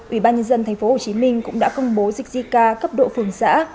ủy ban nhân dân thành phố hồ chí minh cũng đã công bố dịch zika cấp độ phường xã